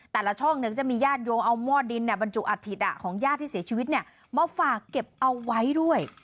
แต่ละช่องก็จะมีญาติโยมเอาหม้อดินบรรจุอัฐิของญาติที่เสียชีวิตมาฝากเก็บเอาไว้ด้วย